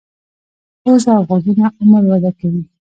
پوزه او غوږونه عمر وده کوي.